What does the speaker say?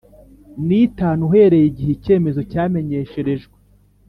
N itanu uhereye igihe icyemezo cyamenyesherejwe